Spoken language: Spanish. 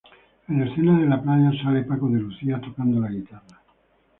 En la escena de la playa sale Paco de Lucía tocando la guitarra.